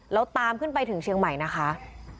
แล้วตามขึ้นไปถึงเชียงใหม่นะคะ